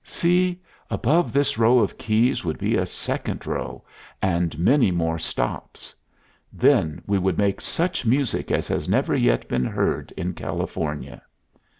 See! above this row of keys would be a second row, and many more stops. Then we would make such music as has never yet been heard in California.